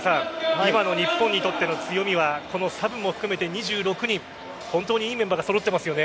今の日本にとっての強みはこのサブも含めて２６人本当にいいメンバーが揃っていますよね。